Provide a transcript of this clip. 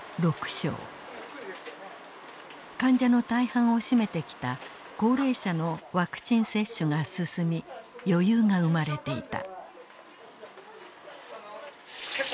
患者の大半を占めてきた高齢者のワクチン接種が進み余裕が生まれていた。